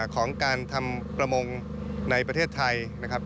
ของการทำประมงในประเทศไทยนะครับ